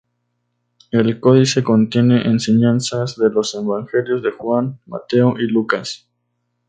El códice contiene enseñanzas de los Evangelios de Juan, Mateo y Lucas.